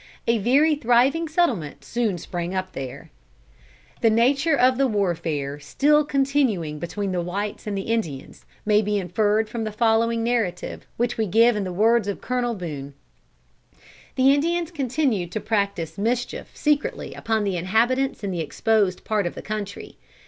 A very thriving settlement soon sprang up there. The nature of the warfare still continuing between the whites and the Indians may be inferred from the following narrative, which we give in the words of Colonel Boone: "The Indians continued to practice mischief secretly upon the inhabitants in the exposed part of the country.